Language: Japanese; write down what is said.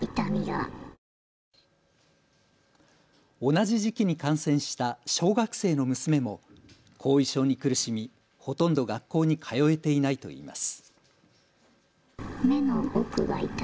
同じ時期に感染した小学生の娘も後遺症に苦しみ、ほとんど学校に通えていないといいます。